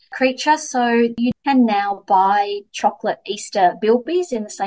jadi sekarang anda bisa membeli peserta peserta coklat